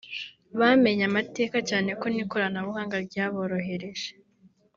bamenye amateka cyane ko n’ikoranabuhanga ryabyoroheje”